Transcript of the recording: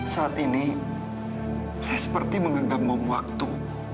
saat ini saya seperti menggenggam bom waktu